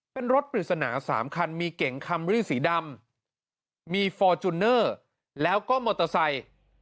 เป็นรถปริศนา๓คันมีเก่งคัมรี่สีดำมีฟอร์จูเนอร์แล้วก็มอเตอร์ไซค์